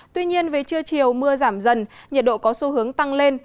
tuy nhiên về trưa chiều mưa giảm dần nhiệt độ có xu hướng tăng lên